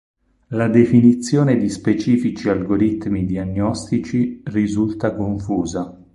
La definizione di specifici algoritmi diagnostici risulta confusa.